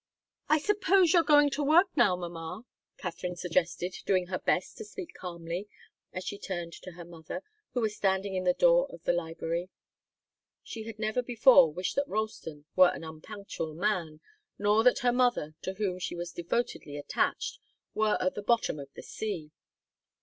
"I suppose you're going to work now, mamma?" Katharine suggested, doing her best to speak calmly, as she turned to her mother, who was standing in the door of the library. She had never before wished that Ralston were an unpunctual man, nor that her mother, to whom she was devotedly attached, were at the bottom of the sea.